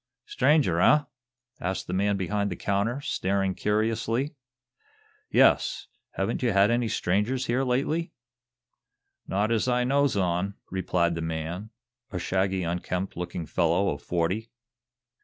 "Stranger, eh?" asked the man behind the counter, staring curiously. "Yes; haven't you had any other strangers here lately?" "Not as I knows on," replied the man, a shaggy, unkempt looking fellow of forty.